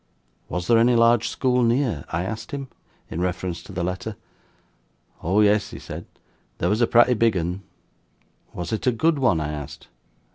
"Was there any large school near?" I asked him, in reference to the letter. "Oh yes," he said; "there was a pratty big 'un." "Was it a good one?" I asked.